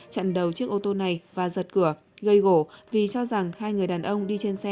chặn đầu chiếc ô tô này và giật cửa gây gỗ vì cho rằng hai người đàn ông đi trên xe